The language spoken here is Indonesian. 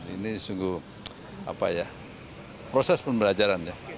ini sungguh apa ya proses pembelajaran ya